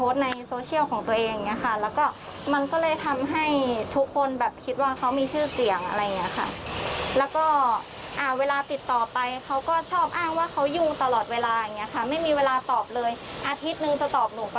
เดี๋ยวนะพี่จะบอกว่า๖๔๕๖